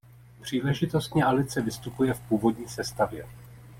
Příležitostně Alice vystupuje v původní sestavě.